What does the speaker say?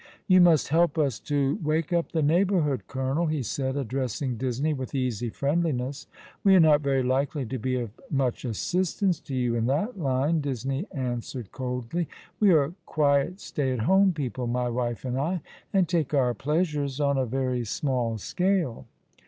" You must help us to wake up the neighbourhood, colonel," he said, addressing Disney, with easy friendliness. " We are not very likely to be of much assistance to you in that line," Disney answered coldly. " We are quiet stay at home people, my wife and I, and take our pleasures on a very small scale."